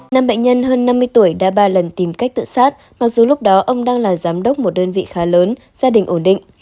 nam bệnh nhân hơn năm mươi tuổi đã ba lần tìm cách tự sát mặc dù lúc đó ông đang là giám đốc một đơn vị khá lớn gia đình ổn định